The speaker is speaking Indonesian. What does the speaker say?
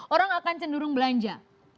orang akan cenderung belanja